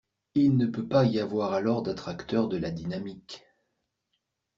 il ne peut pas y avoir alors d'attracteurs de la dynamique